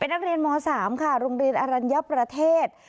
เป็นนักเรียนม๓ค่ะโรงเรียนอรรณยาประเทศ